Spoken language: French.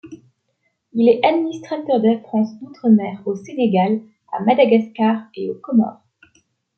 Il est administrateur de la France d’outre-mer au Sénégal, à Madagascar et aux Comores.